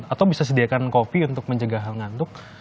atau bisa sediakan kopi untuk mencegah hal ngantuk